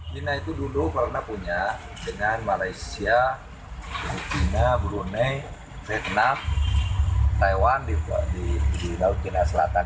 china itu dulu pernah punya dengan malaysia china brunei vietnam taiwan di laut china selatan